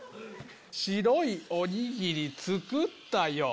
白いおにぎり作ったよ